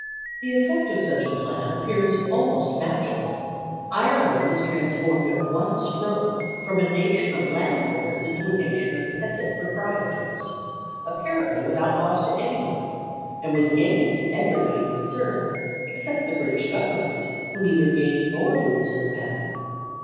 The effect of such a plan appears almost magical: Ireland is transformed at one stroke from a nation of landlords into a nation of peasant proprietors apparently without loss to any one, and with gain to everybody concerned, except the British Government, who neither gain nor lose in the matter.